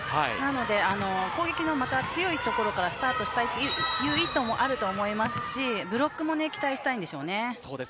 なので、攻撃の強いところからスタートしたいという意図もあると思いますしブロックも期待したいんでしょうね。